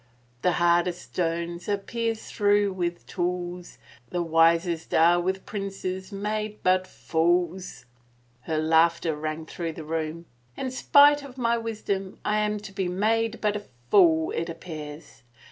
r "The hardest stones are pierced through with tools: The wisest are with princes made but fools." Her laughter rang through the room. " In spite of my wisdom I am to be made but a fool, it appears!